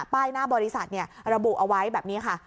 หน้าบริษัทระบุเอาไว้แบบนี้ค่ะ